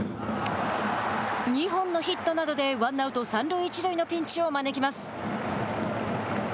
２本のヒットなどでワンアウト、三塁一塁のピンチを招きます。